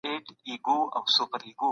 په عصري نړۍ کي سياست خورا پېچلی دی.